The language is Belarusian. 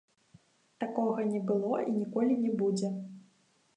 Такога не было і ніколі не будзе.